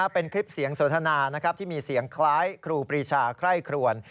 เป็นคลิปเสียงสนทนาที่มีเสียงคล้ายครูปรีชาไคร่ครวน